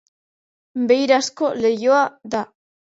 Beirazko lehioa da.